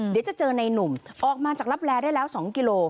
เดี๋ยวจะเจอในหนุ่มออกมาจากลับแลได้แล้ว๒กิโล